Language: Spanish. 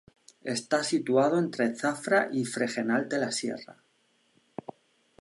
Está situado entre Zafra y Fregenal de la Sierra.